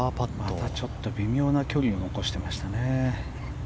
また微妙な距離を残していましたね。